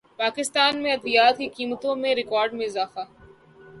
پاکستان میں ادویات کی قیمتوں میں ریکارڈ اضافہ